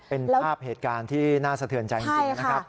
เป็นภาพเหตุการณ์ที่น่าสะเทือนใจจริงนะครับ